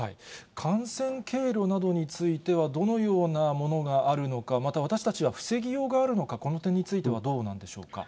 感染経路などについては、どのようなものがあるのか、また私たちは防ぎようがあるのか、この点についてはどうなんでしょ